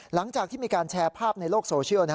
หลังจากที่มีการแชร์ภาพในโลกโซเชียล